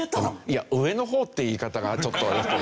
いや「上の方」っていう言い方がちょっと。